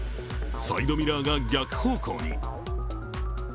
サイドミラーが逆方向に。